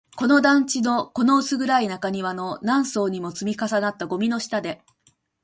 この団地の、この薄暗い中庭の、何層にも積み重なったゴミの下で